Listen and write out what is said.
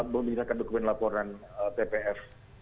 menyerahkan dokumen laporan tpf